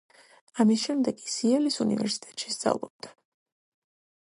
ამის შემდეგ ის იელის უნივერსიტეტში სწავლობდა.